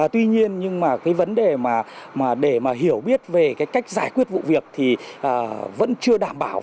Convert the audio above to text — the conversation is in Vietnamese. tuy nhiên vấn đề để hiểu biết về cách giải quyết vụ việc thì vẫn chưa đảm bảo